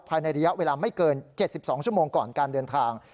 ภายในระยะเวลาไม่เกิน๗๒ชั่วโมงก่อนการเดินทาง